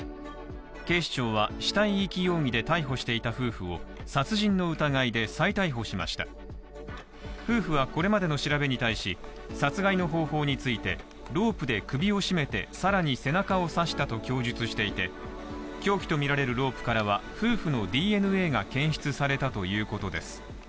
警視庁は死体遺棄容疑で逮捕していた夫婦を殺人の疑いで再逮捕しました夫婦はこれまでの調べに対し殺害の方法についてロープで首を絞めて更に背中を刺したと供述していて凶器とみられるロープからは夫婦のＤＮＡが検出されたということです